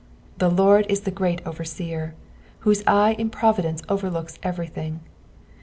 The Lord is the great overseer, whose eye in providence overlooks everything.